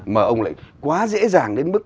mà ông lại quá dễ dàng đến mức